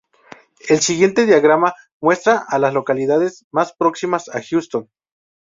El siguiente diagrama muestra a las localidades más próximas a Houston.